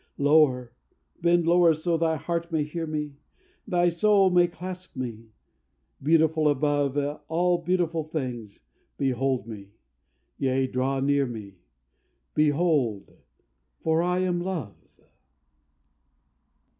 Lower! bend lower, so thy heart may hear me! Thy soul may clasp me!... Beautiful above All beautiful things, behold me, yea, draw near me; Behold! for I am Love."